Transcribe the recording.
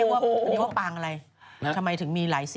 อันนี้เรียกว่าปังอะไรทำไมถึงมีหลายสิน